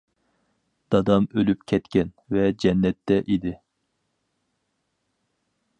دادام ئۆلۈپ كەتكەن ۋە جەننەتتە ئىدى.